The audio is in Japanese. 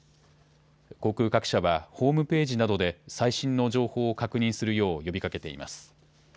航空各社はホームページなどで最新の情報を確認するよう呼びかけています。